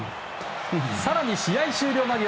更に試合終了間際